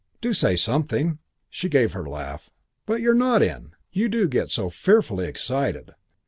Do say something." She gave her laugh. "But you're not in. You do get so fearfully excited.